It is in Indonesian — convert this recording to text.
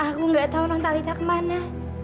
aku gak tau nontalitha kemana